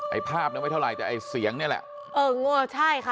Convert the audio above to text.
ภาพนั้นไม่เท่าไหร่แต่ไอ้เสียงนี่แหละเอองัวใช่ค่ะ